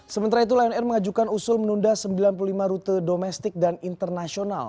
sementara itu lion air mengajukan usul menunda sembilan puluh lima rute domestik dan internasional